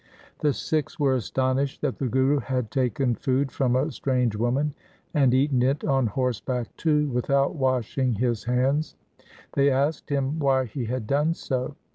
The Sikhs were astonished that the Guru had taken food from a strange woman, and eaten it on horse back too without washing his hands. They asked him why he had done so.